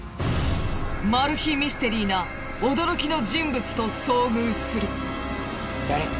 マル秘ミステリーな驚きの人物と遭遇する。